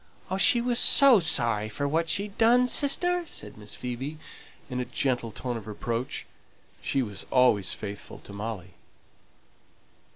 "She was so sorry for what she'd done, sister," said Miss Phoebe, in a gentle tone of reproach; she was always faithful to Molly.